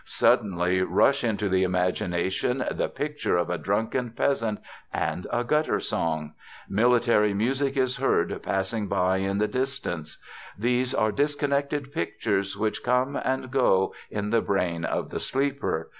Suddenly rush into the imagination the picture of a drunken peasant and a gutter song. Military music is heard passing by in the distance. These are disconnected pictures which come and go in the brain of the sleeper.